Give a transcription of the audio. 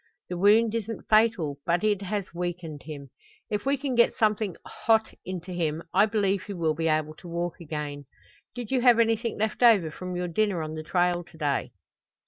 The wound isn't fatal, but it has weakened him. If we can get something hot into him I believe he will be able to walk again. Did you have anything left over from your dinner on the trail to day?"